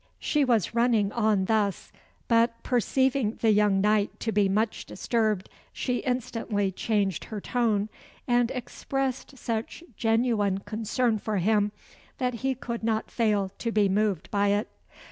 She was running on thus, but perceiving the young knight to be much disturbed, she instantly changed her tone, and expressed such genuine concern for him, that he could not fail to be moved by it.